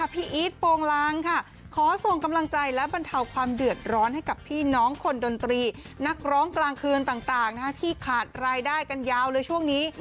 พี่อีทโปรงลางค่ะขอส่งกำลังใจและบรรเทาความเดือดร้อนให้กับพี่น้องคนดนตรีนักร้องกลางคืนต่างที่ขาดรายได้กันยาวเลยช่วงนี้